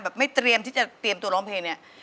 ไม่เตรียมที่จะเตรียมตัวร้องเพลงเนี่ย